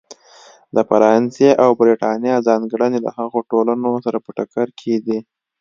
د فرانسې او برېټانیا ځانګړنې له هغو ټولنو سره په ټکر کې دي.